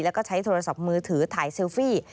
แล้วก็ใช้โทรศัพท์มือถือถ่ายเซลฟี่